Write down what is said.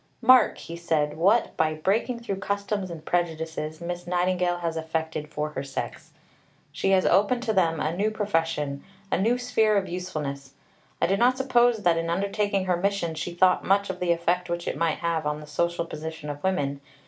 "Mark," he said, "what, by breaking through customs and prejudices, Miss Nightingale has effected for her sex. She has opened to them a new profession, a new sphere of usefulness. I do not suppose that, in undertaking her mission, she thought much of the effect which it might have on the social position of women.